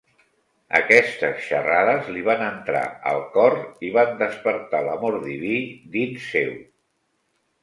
Aquestes xerrades li van entrar al cor i van despertar l'amor diví dins seu.